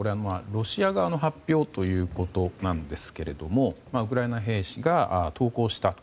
ロシア側の発表ということですがウクライナ兵士が投降したと。